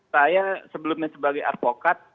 saya sebelumnya sebagai advokat